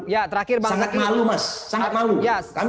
ya terakhir bang zaky sangat malu mas